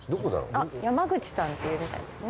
あっ山口さんっていうみたいですね。